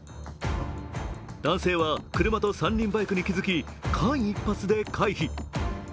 男性は、車と三輪バイクに気付き間一髪で回避。